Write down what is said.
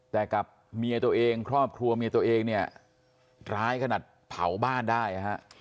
แต่กับเมียตัวเองครอบครัวเมียตัวเองเนี่ยร้ายขนาดเผาบ้านได้ฮะ